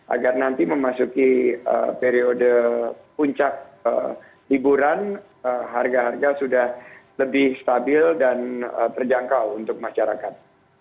agar nanti memasuki periode puncak hiburan harga harga sudah lebih stabil dan terjangkau untuk masyarakat